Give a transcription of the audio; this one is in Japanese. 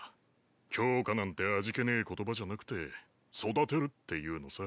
「強化」なんて味気ねぇ言葉じゃなくて「育てる」って言うのさ。